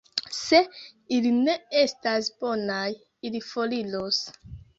Se ili ne estas bonaj, ili foriros.